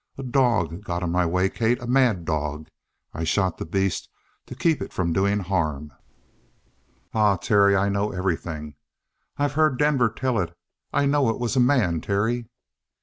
"A dog got in my way, Kate a mad dog. I shot the beast to keep it from doing harm." "Ah, Terry, I know everything. I've heard Denver tell it. I know it was a man, Terry."